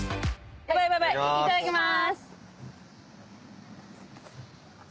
いただきまーす。